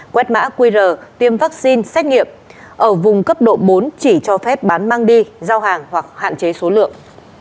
quét mã qr tiêm vaccine xét nghiệm ở vùng cấp độ bốn chỉ cho phép bán mang đi giao hàng hoặc hạn chế số lượng